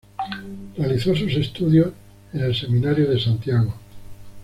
Realizó sus estudios en el Seminario de Santiago.